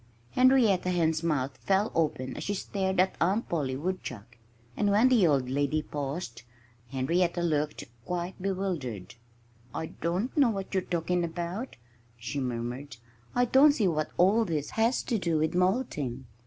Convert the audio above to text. Henrietta Hen's mouth fell open as she stared at Aunt Polly Woodchuck. And when the old lady paused, Henrietta looked quite bewildered. "I don't know what you're talking about," she murmured. "I don't see what all this has to do with molting."